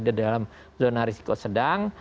di dalam zona risiko sedang